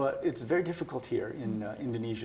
tapi ini sangat sulit di indonesia